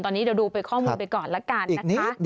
ตอนนี้เดี๋ยวดูเป็นข้อมูลไปก่อนละกันนะคะ